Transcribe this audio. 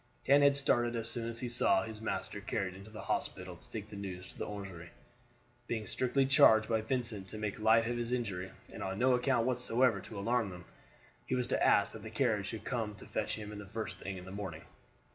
Dan had started as soon as he saw his master carried into the hospital to take the news to the Orangery, being strictly charged by Vincent to make light of his injury, and on no account whatever to alarm them. He was to ask that the carriage should come to fetch him the first thing in the morning.